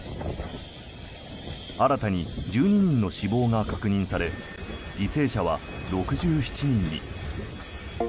新たに１２人の死亡が確認され犠牲者は６７人に。